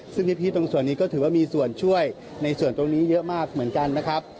ซึ่งพี่ตรงส่วนนี้ก็ถือว่ามีส่วนช่วยในส่วนตรงนี้เยอะมากเหมือนกันนะครับ